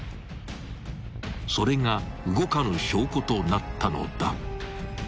［それが動かぬ証拠となったのだ］